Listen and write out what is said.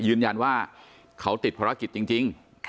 ยืนยันว่าเขาติดภารกิจจริง